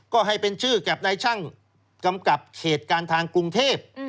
ก็ให้เป็นชื่อกับนายช่างกำกับเขตการทางกรุงเทพ